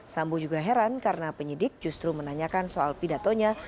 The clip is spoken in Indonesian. sambo juga heran karena penyidik justru menanyakan soal pidatonya